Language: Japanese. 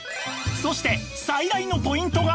そして最大のポイントが